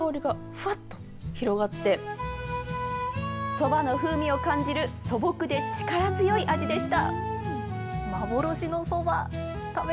そばの風味を感じる素朴で力強い味でした。